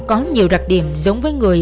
có nhiều đặc điểm giống với người